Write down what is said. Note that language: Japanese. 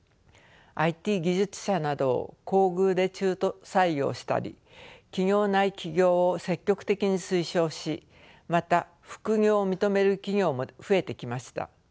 ＩＴ技術者などを厚遇で中途採用したり企業内起業を積極的に推奨しまた副業を認める企業も増えてきました。